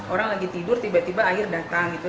orang lagi tidur tiba tiba air datang gitu